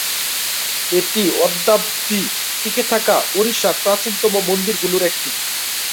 এটি অদ্যাবধি টিকে থাকা ওড়িশার প্রাচীনতম মন্দিরগুলির একটি।